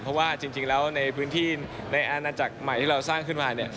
เพราะว่าจริงแล้วในพื้นที่ในอาณาจักรใหม่ที่เราสร้างขึ้นมาเนี่ย